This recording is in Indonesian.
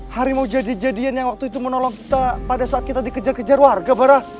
harimau jadi jadian yang waktu itu menolong kita pada saat kita dikejar kejar warga barah